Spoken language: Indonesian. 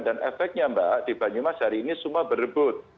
dan efeknya mbak di banyumas hari ini semua berebut